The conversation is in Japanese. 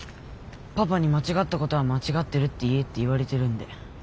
パパに間違ったことは間違ってるって言えって言われてるんで。